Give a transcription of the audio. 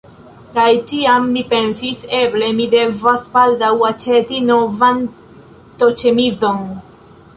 Kaj tiam mi pensis: eble mi devas baldaŭ aĉeti novan t-ĉemizon.